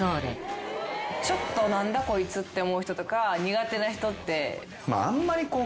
何だこいつって思う人とか苦手な人って。